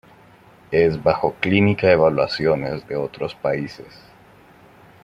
Es bajo clínica evaluaciones de otros países.